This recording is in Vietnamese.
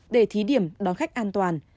để thí điểm đón khách an toàn